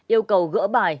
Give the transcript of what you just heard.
yêu cầu gỡ bài